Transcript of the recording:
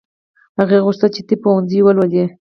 هغې غوښتل چې طب پوهنځی ولولي